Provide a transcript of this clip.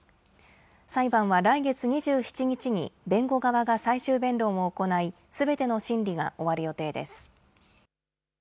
裁判は来月２７日に、弁護側が最終弁論を行い、すべての審理が終わる予定です。